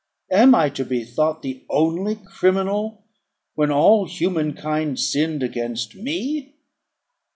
Am I to be thought the only criminal, when all human kind sinned against me?